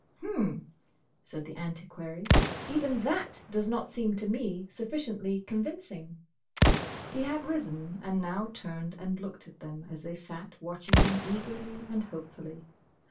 "H'm!" said the Antiquary. "Even that does not seem to me sufficiently convincing." He had risen, and now turned and looked at them as they sat watching him eagerly and hopefully.